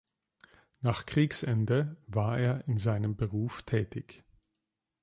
Nach Kriegsende war er in seinem Beruf tätig.